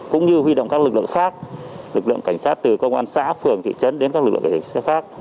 cũng như huy động các lực lượng khác lực lượng cảnh sát từ công an xã phường thị trấn đến các lực lượng cảnh sát khác